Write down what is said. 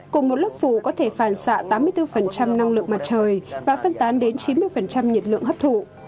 cùng một lớp phủ có thể phản xạ tám mươi bốn năng lượng mặt trời và phân tán đến chín mươi nhiệt lượng hấp thụ